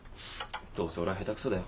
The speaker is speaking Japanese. どうせ俺は下手クソだよ。